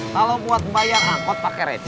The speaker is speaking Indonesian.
kalau buat bayar angkot pakai receh